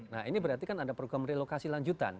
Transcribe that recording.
nah ini berarti kan ada program relokasi lanjutan